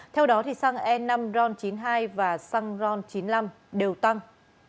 theo đó xăng e năm ron chín mươi hai và xăng ron chín mươi năm đều tăng